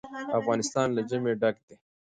افغانستان له ژمی ډک دی.